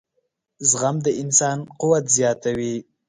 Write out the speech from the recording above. • زغم د انسان قوت زیاتوي.